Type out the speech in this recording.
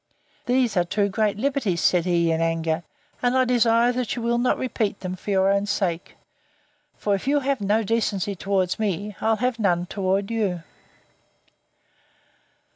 These are too great liberties, said he, in anger; and I desire that you will not repeat them, for your own sake: For if you have no decency towards me, I'll have none towards you.